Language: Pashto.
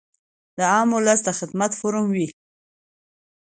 د عام اولس د خدمت فورم وي -